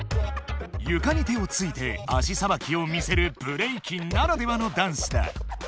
ゆかに手をついて足さばきを見せるブレイキンならではのダンスだ。